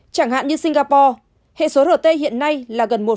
chẳng hạn như singapore hệ số rt hiện nay là gần một